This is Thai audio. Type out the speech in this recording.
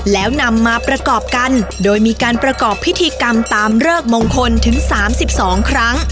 แล้วนำมาประกอบกันโดยมีการประกอบพิธีกรรมตามเริกมงคลถึง๓๒ครั้ง